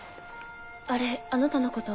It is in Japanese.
あれあなたのこと？